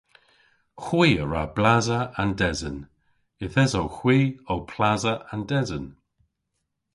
Hwi a wra blasa an desen. Yth esowgh hwi ow plasa an desen.